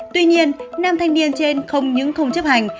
tuy nhiên nam thanh niên trên không những không chấp hành